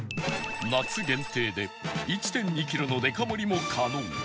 夏限定で １．２ キロのでか盛りも可能